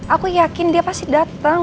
aku yakin dia pasti datang